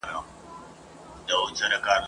هر یو هډ یې له دردونو په ضرور سو !.